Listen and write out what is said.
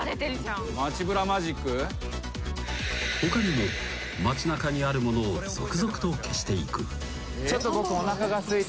［他にも街なかにあるものを続々と消していく］